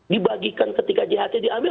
dibagikan ketika ght diambil